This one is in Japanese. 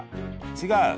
違う？